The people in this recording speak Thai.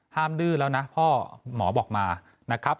ดื้อแล้วนะพ่อหมอบอกมานะครับ